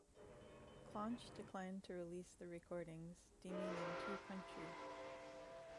Claunch declined to release the recordings, deeming them too country.